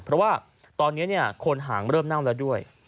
เพราะว่าตอนนี้เนี่ยโคนหางเริ่มนั่งแล้วด้วย